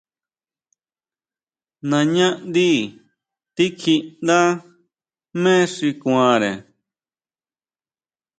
Nañá ndí tikjíʼndá jmé xi kuanre.